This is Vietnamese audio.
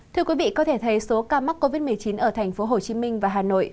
thưa quý vị có thể thấy số ca mắc covid một mươi chín ở thành phố hồ chí minh và hà nội